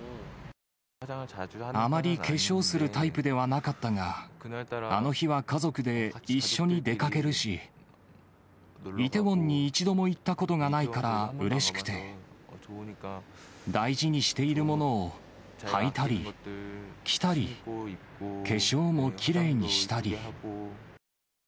あまり化粧するタイプではなかったが、あの日は家族で一緒に出かけるし、イテウォンに一度も行ったことがないからうれしくて、大事にしているものを履いたり、着たり、化粧もきれいにしたり。